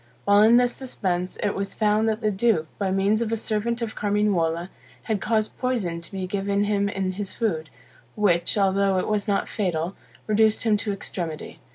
While in this suspense, it was found that the duke, by means of a servant of Carmignuola, had caused poison to be given him in his food, which, although it was not fatal, reduced him to extremity.